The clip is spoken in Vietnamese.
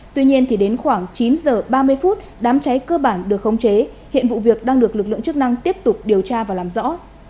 tuy nhiên đến khoảng chín h ba mươi phút đám cháy cơ bản được khống chế hiện vụ việc đang được lực lượng chức năng tiếp tục điều tra và làm rõ